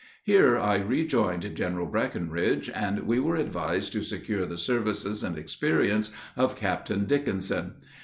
Here I rejoined General Breckinridge, and we were advised to secure the services and experience of Captain Dickinson.